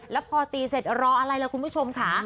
แล้วพอตีเสร็จรออะไรล่ะคุณผู้ชมค่ะ